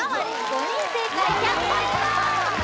５人正解１００ポイント！